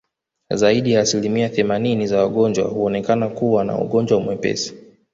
Zaidi ya asilimia themanini za wagonjwa huonekana kuwa na ugonjwa mwepesi